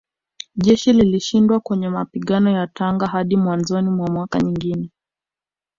Jeshi lilishindwa kwenye mapigano ya Tanga hadi mwanzoni mwa mwaka mwingine